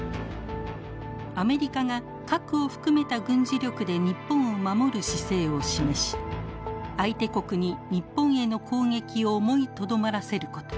アメリカが核を含めた軍事力で日本を守る姿勢を示し相手国に日本への攻撃を思いとどまらせること。